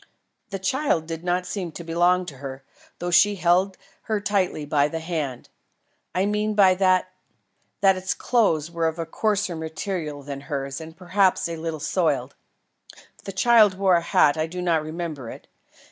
The child did not seem to belong to her, though she held her tightly by the hand. I mean by that, that its clothes were of a coarser material than hers and perhaps were a little soiled. If the child wore a hat, I do not remember it.